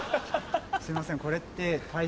すいません。